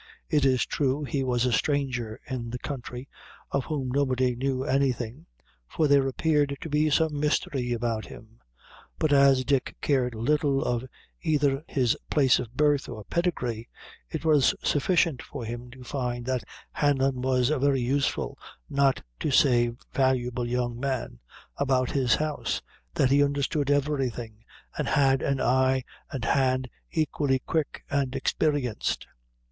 It is true he was a stranger in the country, of whom nobody knew anything for there appeared to be some mystery about him; but as Dick cared little of either his place of birth or pedigree, it was sufficient for him to find that Hanlon was a very useful, not to say valuable young man, about his house, that he understood everything, and had an eye and hand equally quick and experienced.